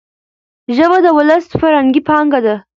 ژبه د ولس فرهنګي پانګه ده.